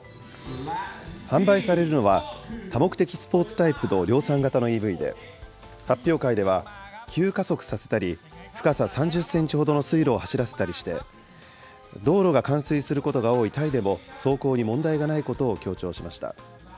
販売されるのは、多目的スポーツタイプの量産型のＥＶで、発表会では、急加速させたり、深さ３０センチほどの水路を走らせたりして、道路が冠水することが多いタイでも走行に問題がないことを強調しました。